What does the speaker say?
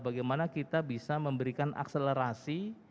bagaimana kita bisa memberikan akselerasi